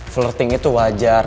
flirting itu wajar